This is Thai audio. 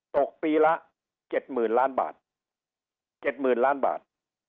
ตกปีละเจ็ดหมื่นล้านบาทเจ็ดหมื่นล้านบาท